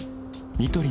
ニトリ